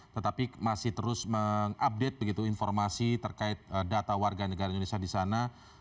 tetapi masih terus mengupdate informasi terkait data warga negara indonesia di sana